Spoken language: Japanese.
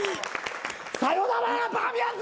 さよならバーミヤンズ。